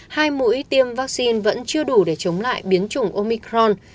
hai mũi tiêm vaccine vẫn chưa đủ để chống lại omicron